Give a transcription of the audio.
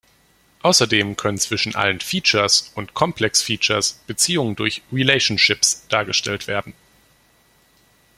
Außerdem können zwischen allen "Features" und "Complex Features" Beziehungen durch "Relationships" dargestellt werden.